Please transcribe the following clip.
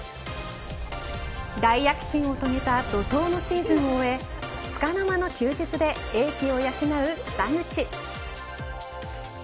大躍進を遂げた怒涛のシーズンを終えつかの間の休日で英気を養う北口。